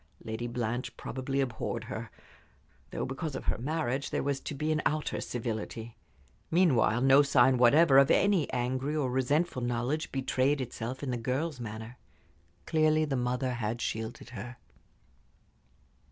Lady Blanche probably abhorred her; though, because of her marriage, there was to be an outer civility. Meanwhile no sign whatever of any angry or resentful knowledge betrayed itself in the girl's manner. Clearly the mother had shielded her.